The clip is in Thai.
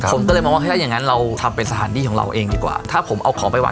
ผมก็เลยมองว่าเข้ายังไง